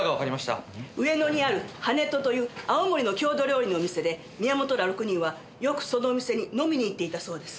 上野にある跳人という青森の郷土料理のお店で宮本ら６人はよくそのお店に飲みに行っていたそうです。